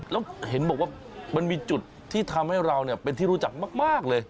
แล้วเห็นบอกว่ามันมีจุดที่ทำให้เราเป็นที่รู้จักมากเลย